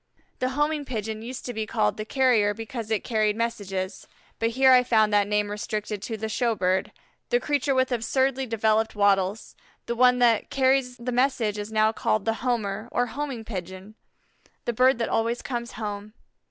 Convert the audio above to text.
The Homing Pigeon used to be called the Carrier because it carried messages, but here I found that name restricted to the show bird, the creature with absurdly developed wattles; the one that carries the messages is now called the Homer, or Homing Pigeon the bird that always comes home.